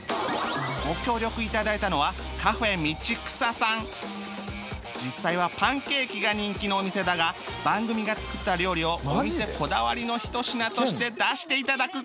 ご協力頂いたのは実際はパンケーキが人気のお店だが番組が作った料理をお店こだわりのひと品として出して頂く